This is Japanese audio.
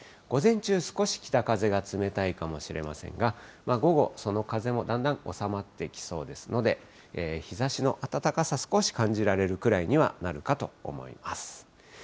午前中、少し北風が冷たいかもしれませんが、午後、その風もだんだん収まってきそうですので、日ざしの暖かさ、少し感じられるくらいにはなるかと思います。